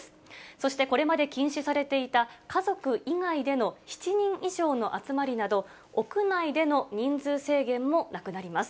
そしてこれまで禁止されていた家族以外での７人以上の集まりなど、屋内での人数制限もなくなります。